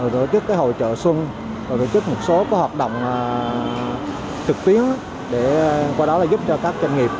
tổ chức hỗ trợ xuân tổ chức một số hoạt động trực tuyến để qua đó giúp cho các doanh nghiệp